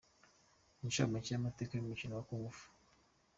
Incamake y’Amateka y’umukino wa Kung Fu.